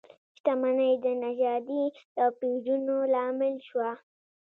شتمنۍ د نژادي توپیرونو لامل شوه.